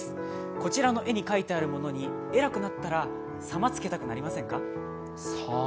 こちらの絵に描いてあるものに、偉くなったら「さま」をつけたくなりませんか？